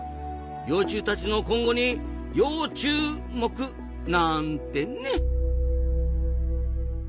幼虫たちの今後に要注目！なんてね。